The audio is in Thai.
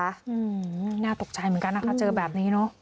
อืมน่าตกใจเหมือนกันนะคะเจอแบบนี้เนอะ